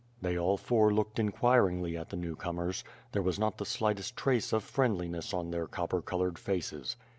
They all four looked inquiringly at the newcomers. There was not the slightest trace of friendliness on their copper colored faces.